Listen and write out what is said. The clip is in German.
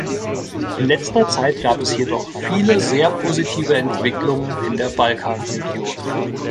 In letzter Zeit gab es jedoch viele sehr positive Entwicklungen in der Balkanregion.